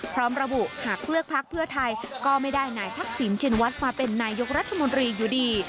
พร้อมระบุหากเลือกพักเพื่อไทยก็ไม่ได้นายทักษิณชินวัฒน์มาเป็นนายกรัฐมนตรีอยู่ดี